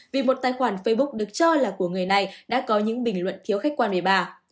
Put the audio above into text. vì một tài khoản facebook được cho là của người này đã có những bình luận thiếu khách quan với bà